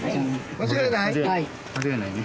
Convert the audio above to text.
間違いないね。